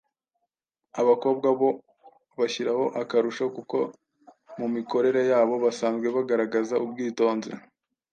Abakobwa bo bashyiraho akarusho kuko mu mikorere yabo basanzwe bagaragaza ubwitonzi,